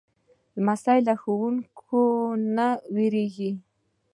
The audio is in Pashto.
لمسی له ښوونکو نه نه وېرېږي.